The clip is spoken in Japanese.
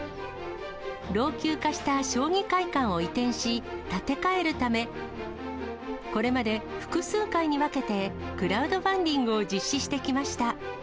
老朽化した将棋会館を移転し、建て替えるため、これまで複数回に分けてクラウドファンディングを実施してきました。